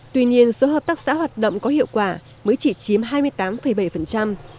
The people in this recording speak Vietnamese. tuy nhiên số hợp tác xã hoạt động có hiệu quả mới chỉ chiếm hai mươi tám bảy